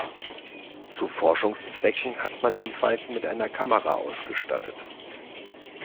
Zu Forschungszwecken hat man den Falken mit einer Kamera ausgestattet.